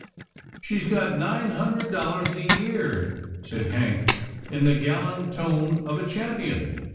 " She's got nine hundred dollars a year," said Hank in the gallant tone of a champion.